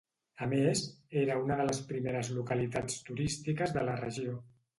A més, era una de les primeres localitats turístiques de la regió.